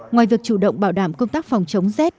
ngoài việc chủ động bảo đảm công tác phòng chống rét